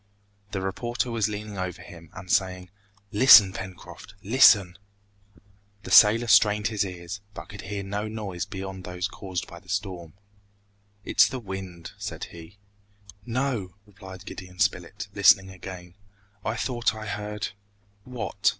The reporter was leaning over him, and saying, "Listen, Pencroft, listen!" The sailor strained his ears, but could hear no noise beyond those caused by the storm. "It is the wind," said he. "No," replied Gideon Spilett, listening again, "I thought I heard " "What?"